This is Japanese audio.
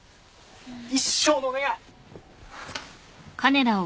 一生のお願い！